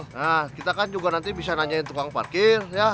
nah kita kan juga nanti bisa nanyain tukang parkir